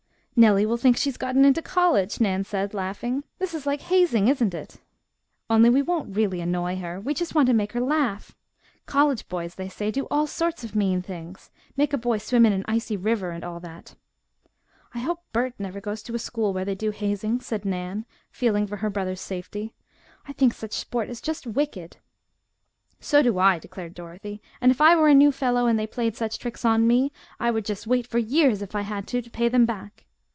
"Nellie will think she has gotten into college," Nan said, laughing. "This is like hazing, isn't it?" "Only we won't really annoy her," said Dorothy. "We just want to make her laugh. College boys, they say, do all sorts of mean things. Make a boy swim in an icy river and all that." "I hope Bert never goes to a school where they do hazing," said Nan, feeling for her brother's safety. "I think such sport is just wicked!" "So do I," declared Dorothy, "and if I were a new fellow, and they played such tricks on me, I would just wait for years if I had to, to pay them back."